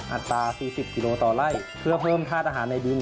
อัตรา๔๐กิโลต่อไล่เพื่อเพิ่มค่าอาหารในดิน